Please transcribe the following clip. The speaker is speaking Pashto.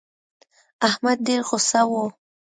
احمد ډېر غوسه و.